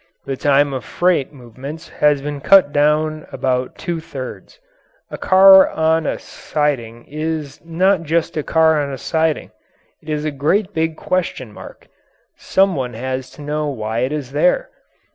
The time of freight movements has been cut down about two thirds. A car on a siding is not just a car on a siding. It is a great big question mark. Someone has to know why it is there.